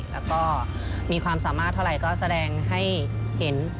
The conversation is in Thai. แล้วก็มีความสามารถเท่าไหร่ก็แสดงให้เห็น